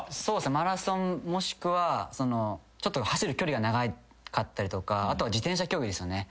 マラソンもしくは走る距離が長かったりとかあとは自転車競技ですよね。